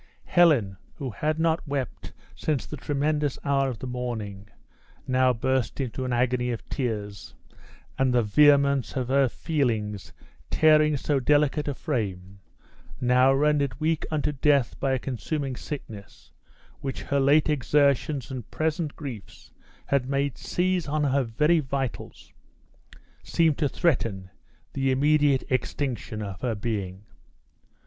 Helen, who had not wept since the tremendous hour of the morning, now burst into an agony of tears; and the vehemence of her feelings tearing so delicate a frame (now rendered weak unto death by a consuming sickness, which her late exertions and present griefs had made seize on her very vitals), seemed to threaten the immediate extinction of her being.